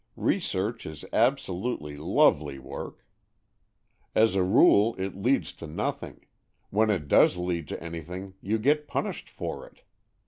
Research is absolutely lovely work. As a rule, it leads to nothing; when it does lead to anything, you get punished for it.